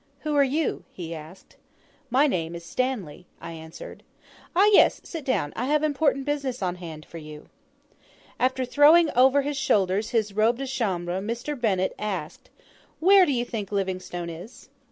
"Who are you?" he asked. "My name is Stanley," I answered. "Ah, yes! sit down; I have important business on hand for you." After throwing over his shoulders his robe de chambre Mr. Bennett asked, "Where do you think Livingstone is?"